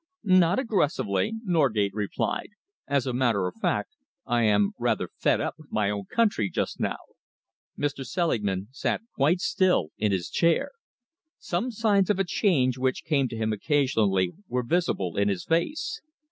"Not aggressively," Norgate replied. "As a matter of fact, I am rather fed up with my own country just now." Mr. Selingman sat quite still in his chair. Some signs of a change which came to him occasionally were visible in his face.